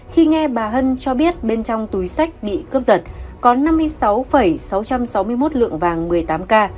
khi nghe bà hân cho biết bên trong túi sách bị cướp giật có năm mươi sáu sáu trăm sáu mươi một lượng vàng một mươi tám k